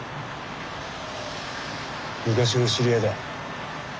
昔の知り合いだ。